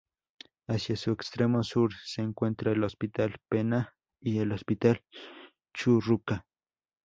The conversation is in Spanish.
Hacia su extremo sur, se encuentran el Hospital Penna y el Hospital Churruca.